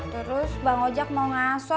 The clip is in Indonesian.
terus bang ojek mau ngaso